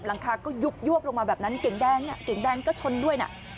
หลังคาก็ยุบลงมาแบบนั้นเก๋งแดงจนก็ชนด้วยน่ะ